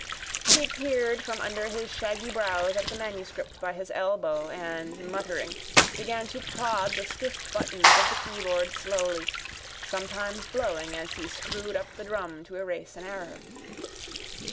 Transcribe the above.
He peered from under his shaggy brows at the manuscript by his elbow and, muttering, began to prod the stiff buttons of the keyboard slowly, sometimes blowing as he screwed up the drum to erase an error.